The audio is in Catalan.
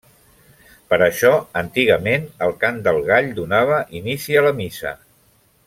Per això, antigament, el cant del gall donava inici a la missa.